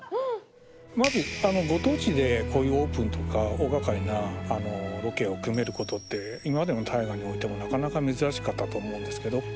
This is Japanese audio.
まずご当地でこういうオープンとか大がかりなロケを組めることって今までの「大河」においてもなかなか珍しかったと思うんですけど。